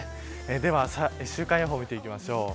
では週間予報を見ていきましょう。